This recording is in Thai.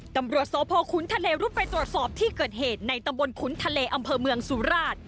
ตำรวจสพขุนทะเลรุดไปตรวจสอบที่เกิดเหตุในตำบลขุนทะเลอำเภอเมืองสุราช